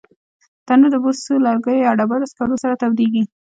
تنور د بوسو، لرګیو یا ډبرو سکرو سره تودېږي